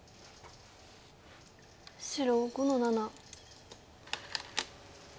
白５の七。